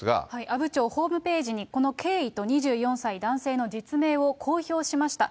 阿武町ホームページにこの経緯と、２４歳男性の実名を公表しました。